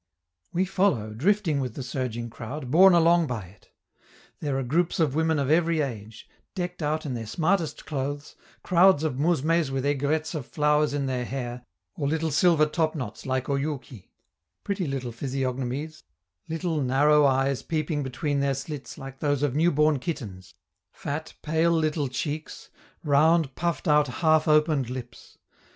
We follow, drifting with the surging crowd, borne along by it. There are groups of women of every age, decked out in their smartest clothes, crowds of mousmes with aigrettes of flowers in their hair, or little silver topknots like Oyouki pretty little physiognomies, little, narrow eyes peeping between their slits like those of new born kittens, fat, pale, little cheeks, round, puffed out, half opened lips.